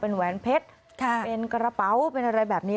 แหวนเพชรเป็นกระเป๋าเป็นอะไรแบบนี้